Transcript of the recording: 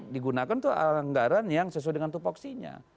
dikunakan tuh anggaran yang sesuai dengan topoksinya